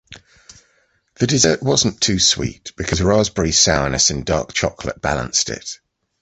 The desert wasn’t too sweet, because raspberry sourness and dark chocolate balanced it.